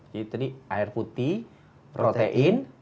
jadi tadi air putih protein